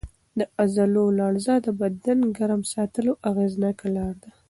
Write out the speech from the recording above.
د عضلو لړزه د بدن ګرم ساتلو اغېزناکه لار ده.